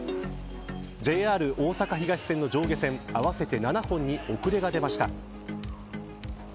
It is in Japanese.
ＪＲおおさか東線の上下線合わせて７本に遅れが出ました。